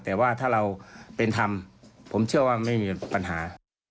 แต่ว่าถ้าเราเป็นธรรมผมเชื่อว่าไม่มีปัญหา